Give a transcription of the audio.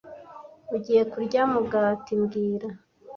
Ugiye kurya mugati mbwira